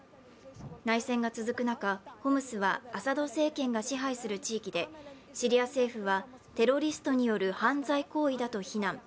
内戦が続く中、ホムスはアサド政権が支配する地域でシリア政府は、テロリストによる犯罪行為だと非難。